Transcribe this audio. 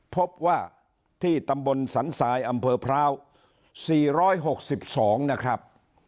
พบว่าที่ตำบลสันทรายอำเภอพร้าว๔๖๒นะครับ